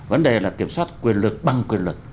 vấn đề là kiểm soát quyền lực bằng quyền lực